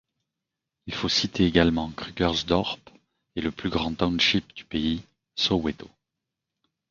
Il faut citer également Krugersdorp, et le plus grand township du pays, Soweto.